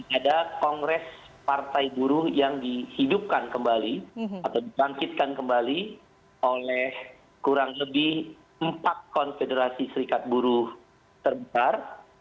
ada kongres partai buruh yang dihidupkan kembali atau dibangkitkan kembali oleh kurang lebih empat konfederasi serikat buruh terbesar